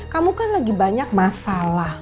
kamu kan lagi banyak masalah